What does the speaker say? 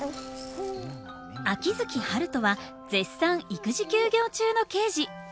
秋月春風は絶賛育児休業中の刑事。